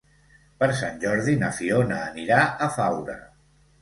Per Sant Jordi na Fiona anirà a Faura.